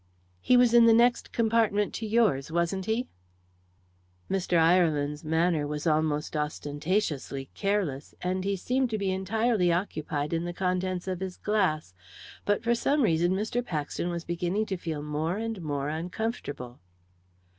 "He was in the next compartment to yours, wasn't he?" Mr. Ireland's manner was almost ostentatiously careless, and he seemed to be entirely occupied in the contents of his glass, but for some reason Mr. Paxton was beginning to feel more and more uncomfortable.